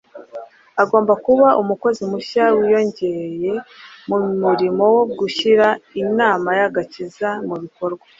agomba kuba umukozi mushya wiyongeye mu murimo wo gushyira inama y’agakiza mu bikorwa.